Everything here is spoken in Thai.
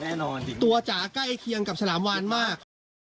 ตัวจ๋าใกล้เคียงกับฉลามวานมาก